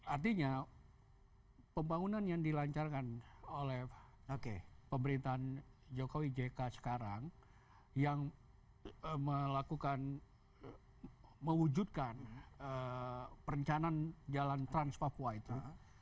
artinya pembangunan yang dilancarkan oleh pemerintahan jokowi jk sekarang yang melakukan mewujudkan perencanaan jalan trans papua itu